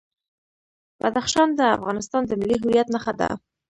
بدخشان د افغانستان د ملي هویت نښه ده.